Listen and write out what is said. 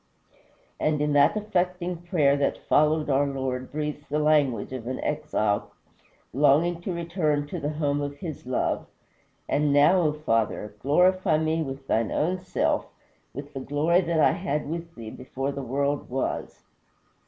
And in that affecting prayer that followed our Lord breathes the language of an exile longing to return to the home of his love: "And now, O Father! glorify me with thine own self with the glory that I had with thee before the world was."